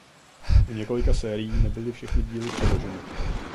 U několika sérií nebyly všechny díly přeloženy.